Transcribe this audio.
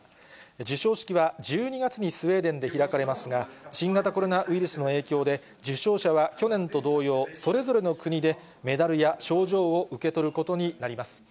授賞式は１２月にスウェーデンで開かれますが、新型コロナウイルスの影響で、受賞者は去年と同様、それぞれの国で、メダルや賞状を受け取ることになります。